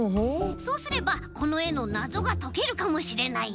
そうすればこのえのなぞがとけるかもしれない。